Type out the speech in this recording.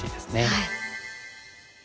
はい。